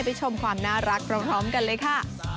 ชมความน่ารักพร้อมกันเลยค่ะ